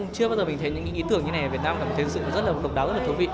chưa bao giờ mình thấy những ý tưởng như này ở việt nam cảm thấy sự rất là độc đáo rất là thú vị